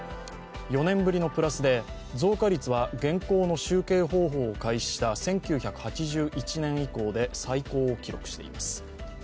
４年ぶりのプラスで増加率は現行の集計方法を開始した１９８１年以降で最高を記録しています。